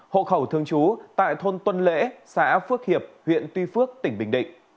hộ khẩu thường trú tại thôn tuân lễ xã phước hiệp huyện tuy phước tỉnh bình định